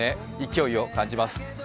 勢いを感じます。